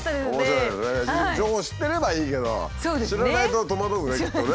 情報を知ってればいいけど知らないと戸惑うねきっとね。